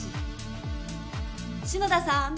篠田さん。